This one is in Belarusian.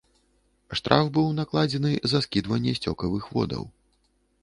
Штраф быў накладзены за скідванне сцёкавых водаў.